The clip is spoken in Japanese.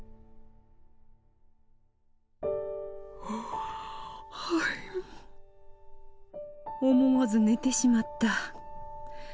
ふわ思わず寝てしまった。